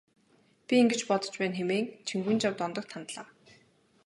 Би ингэж бодож байна хэмээн Чингүнжав Дондогт хандлаа.